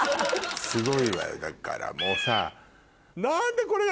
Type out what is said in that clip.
すごいわよだからもうさ。